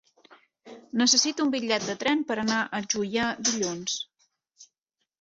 Necessito un bitllet de tren per anar a Juià dilluns.